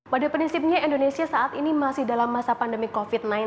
pada prinsipnya indonesia saat ini masih dalam masa pandemi covid sembilan belas